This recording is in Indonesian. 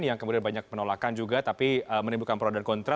yang kemudian banyak penolakan juga tapi menimbulkan perawatan kontra